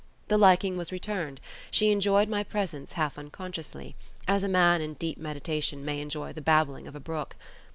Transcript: The liking was returned; she enjoyed my presence half unconsciously, as a man in deep meditation may enjoy the babbling of a brook.